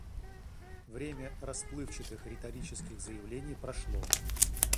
Время расплывчатых риторических заявлений прошло.